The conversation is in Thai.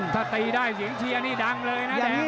ถ้าตีได้เสียงเชียร์นี่ดังเลยนะแดง